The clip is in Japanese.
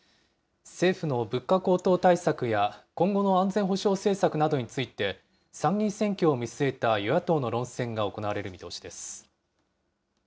政府の物価高騰対策や、今後の安全保障政策などについて、参議院選挙を見据えた与野党の論戦が行われる見通しです。